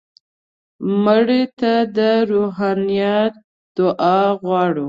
مړه ته د روحانیت دعا غواړو